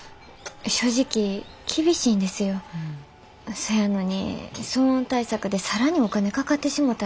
そやのに騒音対策で更にお金かかってしもたら。